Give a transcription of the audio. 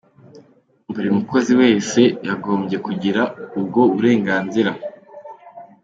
Buri mukozi wese yagombye kugira ubwo burenganzira.